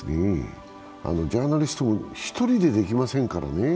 ジャーナリストも１人ではできませんからね。